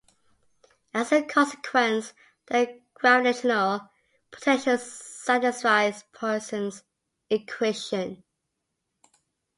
As a consequence, the gravitational potential satisfies Poisson's equation.